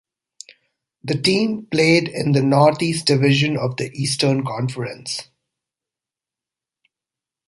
The team played in the Northeast Division of the Eastern Conference.